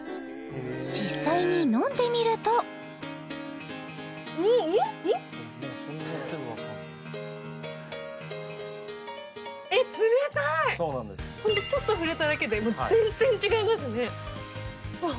実際に飲んでみるとホントちょっと触れただけで全然違いますねあっ